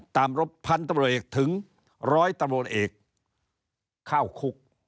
ตามรบพันตำรวจเอกถึง๑๐๐ตำรวจเอกเข้าคุก